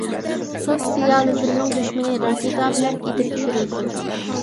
سوتسىيالىزمنىڭ دۈشمىنى راكېتا بىلەن ئېتىپ چۈشۈرۈلسۇن.